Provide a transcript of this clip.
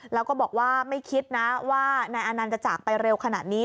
แล้วก็บอกว่าไม่คิดนะว่านายอานันต์จะจากไปเร็วขนาดนี้